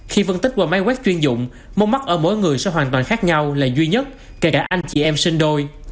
khi phân tích qua máy quét chuyên dụng mông mắt ở mỗi người sẽ hoàn toàn khác nhau là duy nhất kể cả anh chị em sinh đôi